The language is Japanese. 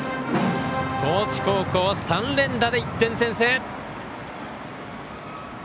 高知高校３連打で１点先制。